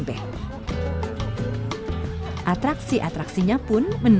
bunuh para pegang depan pilih jempol albania